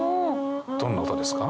どんな音ですか？